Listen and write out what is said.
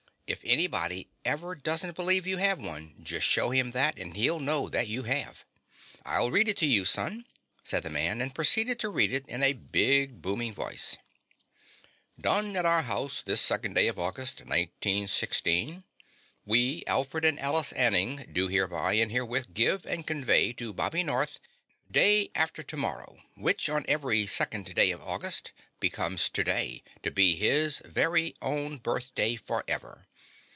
If anybody ever doesn't believe you have one, just show him that, and he'll know that you have." "I'll read it to you, son," said the man and proceeded to read in a big, booming voice: "Done at Our House this Second Day of August, 1916. We, Alfred and Alice Anning, do hereby and herewith give and convey to Bobby North, Day After Tomorrow, which on every Second Day of August becomes To Day, to be his very own birthday forever.